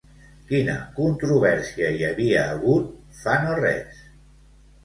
Quina controvèrsia hi havia hagut fa no res?